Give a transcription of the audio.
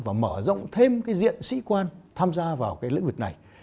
và mở rộng thêm cái diện sĩ quan tham gia vào cái lĩnh vực này